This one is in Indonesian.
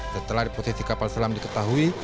setelah di posisi kapal selam diketahui